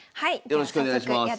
よろしくお願いします。